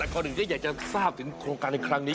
คนหนึ่งก็อยากจะทราบถึงโครงการในครั้งนี้